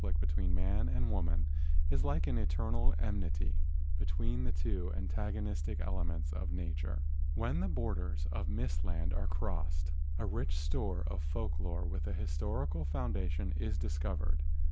INTRODUCTION xm between man and woman is like the eternal enmity between the two antagonistic elements of nature. When the borders of mist land are crossed, a rich store of folk lore with a historical foun¬ dation is discovered.